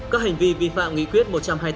các hành vi vi phạm nghị quyết một trăm hai mươi tám